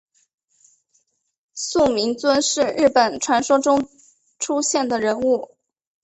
素呜尊是日本传说中出现的人物。